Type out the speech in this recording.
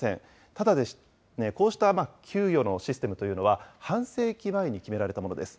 ただですね、こうした給与のシステムというのは、半世紀前に決められたことです。